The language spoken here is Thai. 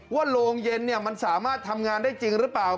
โรงเย็นมันสามารถทำงานได้จริงหรือเปล่า